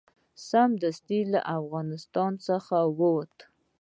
سمدستي له افغانستان څخه ووت.